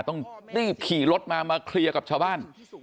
ต้องรีบขี่รถมามาเคลียร์กับชาวบ้าน